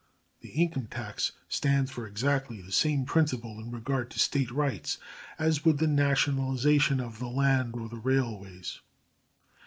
The income tax stands for exactly the same principle in regard to State rights as would the nationalisation of the land or the railways.